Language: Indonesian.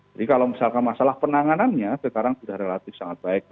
kalau misalkan masalah penanganannya sekarang sudah relatif sangat baik